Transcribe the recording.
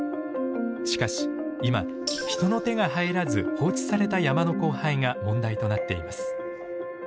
しかし今人の手が入らず放置された山の荒廃が問題となっています。